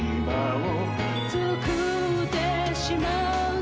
「作ってしまうね」